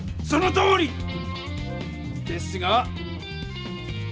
そのとおり！ですが。